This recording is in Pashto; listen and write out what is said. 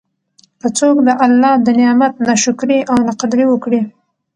که څوک د الله د نعمت نا شکري او نا قدري وکړي